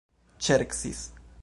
ŝercis